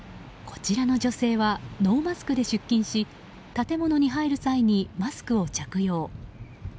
こちらの女性はノーマスクで出勤し建物に入る際にマスクを着用。